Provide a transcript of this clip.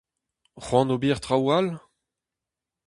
C'hoant ober traoù all ?